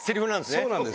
そうなんです。